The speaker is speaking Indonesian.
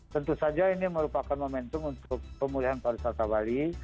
tentu saja ini merupakan momentum untuk pemulihan pariwisata bali